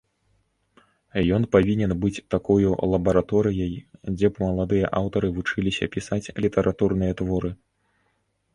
Ён павінен быць такою лабараторыяй, дзе б маладыя аўтары вучыліся пісаць літаратурныя творы.